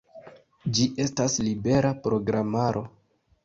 Ĝi estas libera programaro.